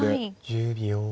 １０秒。